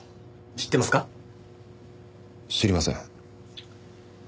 知りません。